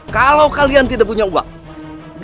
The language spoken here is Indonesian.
kalau kalian tidak punya uang